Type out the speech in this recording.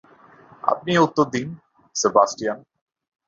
আপনিই এর উত্তর দিন, সেবাস্টিয়ান।